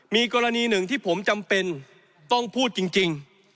มีกรณีหนึ่งที่ผมจำเป็นต้องพูดจริง